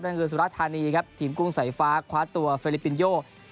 นั่นคือสุรธานีครับทีมกุ้งสายฟ้าคว้าตัวเฟลิปปินโย